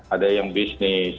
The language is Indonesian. ada yang bisnis